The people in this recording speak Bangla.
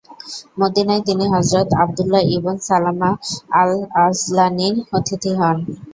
মদীনায় তিনি হযরত আবদুল্লাহ্ ইবন সালামা আল-আজলানীর অতিথি হন।